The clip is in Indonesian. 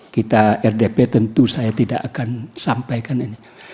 kita rdp tentu saya tidak akan sampaikan ini